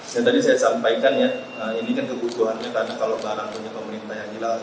yang tadi saya sampaikan ya ini kan kebutuhannya karena kalau barang punya pemerintah yang hilal